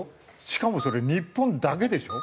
しかもそれ日本だけでしょ。